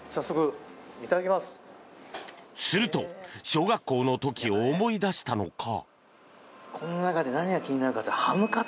すると、小学校の時を思い出したのか。